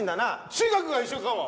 中学が一緒かも。